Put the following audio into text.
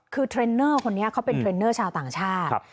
คือเทรนเนอร์คนนี้เขาเป็นเทรนเนอร์ชาวต่างชาติ